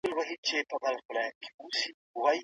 د پښتنو مشران د خپلواکۍ تږي ول.